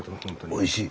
おいしい。